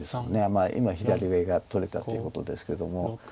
まあ今左上が取れたっていうことですけども。